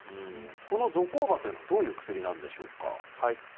このゾコーバというのはどういう薬なんでしょうか？